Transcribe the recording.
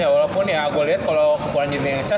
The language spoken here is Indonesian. walaupun ya gue liat kalau kekurangan jenis nsa